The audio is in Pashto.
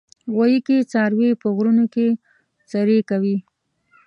غویی کې څاروي په غرونو کې څرې کوي.